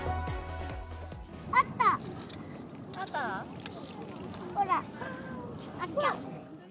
あった、ほら、あった。